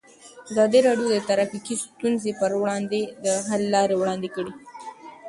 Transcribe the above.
ازادي راډیو د ټرافیکي ستونزې پر وړاندې د حل لارې وړاندې کړي.